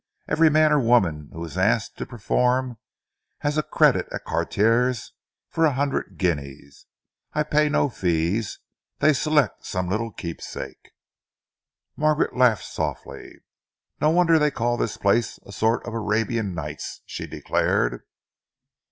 Every man or woman who is asked to perform, has a credit at Cartier's for a hundred guineas. I pay no fees. They select some little keepsake." Margaret laughed softly. "No wonder they call this place a sort of Arabian Nights!" she declared.